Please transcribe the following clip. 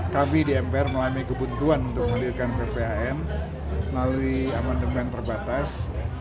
kami di mpr melalui kebutuhan untuk mendirikan pphn melalui amandemen terbatas